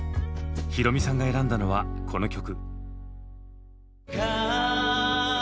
ヒロミさんが選んだのはこの曲。